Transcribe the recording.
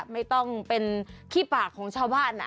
ไม่ต้องเป็นขี้ปากของชาวบ้าน